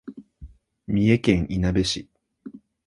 三重県いなべ市